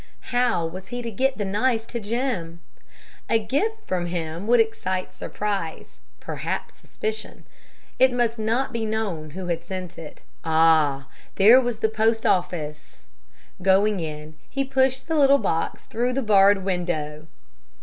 How was he to get the knife to Jim? A gift from him would excite surprise, perhaps suspicion. It must not be known who had sent it. Ah, there was the post office! Going in, he pushed the little box through the barred window.